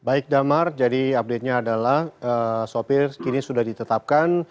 baik damar jadi update nya adalah sopir kini sudah ditetapkan